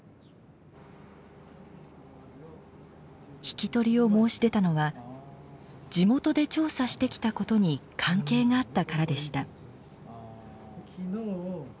引き取りを申し出たのは地元で調査してきたことに関係があったからでした。